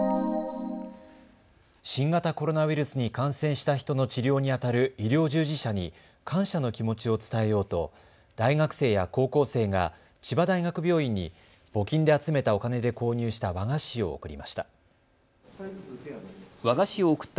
新型コロナウイルスに感染した人の治療にあたる医療従事者に感謝の気持ちを伝えようと大学生や高校生が千葉大学病院に募金で集めたお金で購入した和菓子を贈りました。